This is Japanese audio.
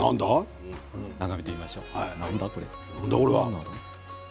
眺めてみましょう。